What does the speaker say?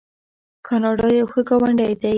کاناډا یو ښه ګاونډی دی.